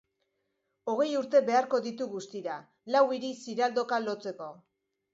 Hogei urte beharko ditu guztira, lau hiri ziraldoka lotzeko.